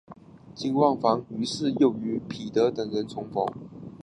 金万燮于是又与彼得等人重逢。